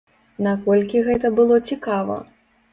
Наколькі гэта было цікава?